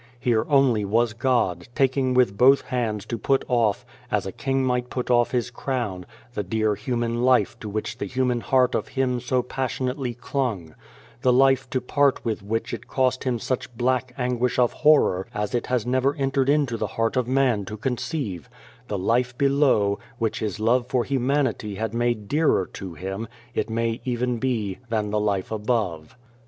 Here only was God taking with both hands to put off as a king might put off his crown the dear human life to which the human heart of Him so passionately clung; the life to part with which it cost Him such black anguish of horror as it has never entered into the heart of man to conceive ; the life below, which His love for humanity had made dearer to Him, it may even be, than the life above.